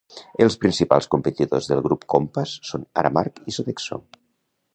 Els principals competidors del grup Compass són Aramark i Sodexo.